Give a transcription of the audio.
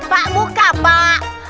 pak buka pak